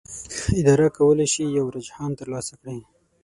اداره کولی شي یو رجحان ترلاسه کړي.